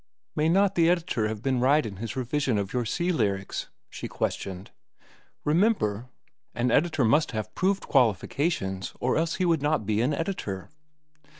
"May not the editor have been right in his revision of your 'Sea Lyrics'?" she questioned. "Remember, an editor must have proved qualifications or else he would not be an editor."